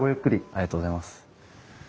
ありがとうございます。